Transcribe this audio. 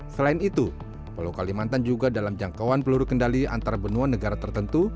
selain itu pulau kalimantan juga dalam jangkauan peluru kendali antarbenua negara tertentu